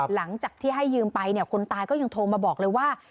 หลังจากที่ให้ยืมไปเนี่ยคนตายก็ยังโทรมาบอกเลยว่า